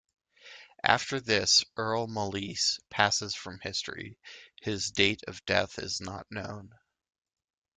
After this, Earl Malise passes from history; his date of death is not known.